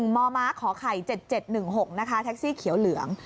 มมขไข่๗๗๑๖นะคะแท็กซี่เขียวเหลือง